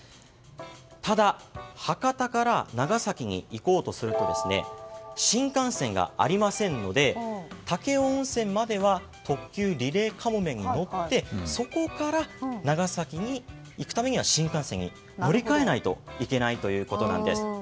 ただ博多から長崎に行こうとすると新幹線がありませんので武雄温泉までは特急「リレーかもめ」に乗ってそこから長崎に行くためには新幹線に乗り換えないといけないということなんです。